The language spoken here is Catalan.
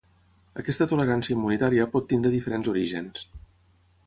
Aquesta tolerància immunitària pot tenir diferents orígens.